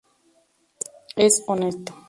Es honesto.